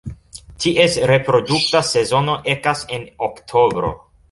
Ties reprodukta sezono ekas en oktobro.